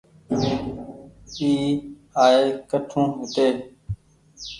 اي آئي ڪٺون هيتي ۔